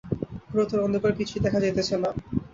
ঘোরতর অন্ধকার– কিছুই দেখা যাইতেছে না।